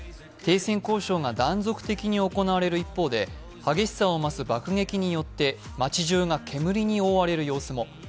停戦交渉が断続的に行われる一方で、激しさを増す爆撃によって街じゅうが煙に覆われる状況も。